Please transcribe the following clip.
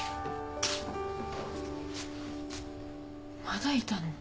まだいたの？